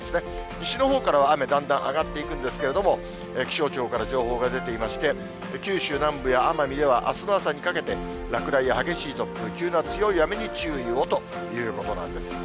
西のほうからはだんだん雨上がっていくんですけれども、気象庁から情報が出ていまして、九州南部や奄美ではあすの朝にかけて、落雷や激しい突風、急な強い雨に注意をということなんです。